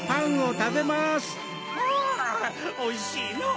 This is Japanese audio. うんおいしいのう！